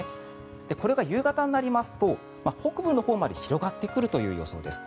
これが夕方になりますと北部のほうまで広がってくるという予想です。